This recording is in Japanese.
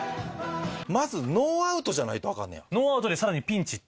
まずノーアウトじゃないとアカンねや。